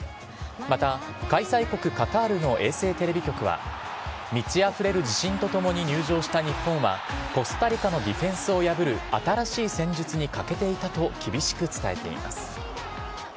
また、開催国カタールの衛星テレビ局は、満ちあふれる自信と共に入場した日本は、コスタリカのディフェンスを破る新しい戦術に欠けていたと、厳しく伝えています。